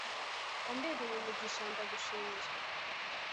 Wambereye umugisha ndagushimira